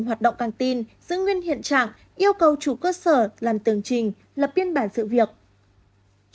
hoạt động căng tin giữ nguyên hiện trạng yêu cầu chủ cơ sở làm tường trình lập biên bản sự việc